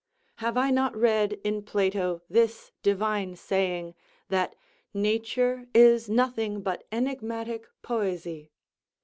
Have I not read in Plato this divine saying, that "nature is nothing but enigmatic poesy!"